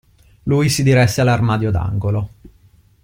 Lui si diresse all'armadio d'angolo.